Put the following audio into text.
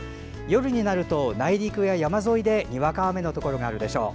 夜になると内陸や山沿いでにわか雨のところがあるでしょう。